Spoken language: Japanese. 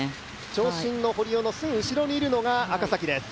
長身の堀尾のすぐ後ろにいるのが赤崎です。